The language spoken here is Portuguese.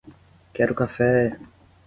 Quero café!